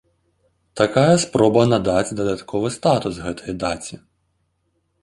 Такая спроба надаць дадатковы статус гэтай даце.